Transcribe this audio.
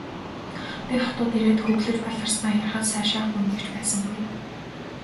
Би хотод ирээд хөглөж баларснаа ярихад сайшаах хүн нэг ч байсангүй.